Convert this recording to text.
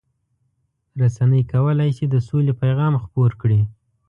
رسنۍ کولای شي د سولې پیغام خپور کړي.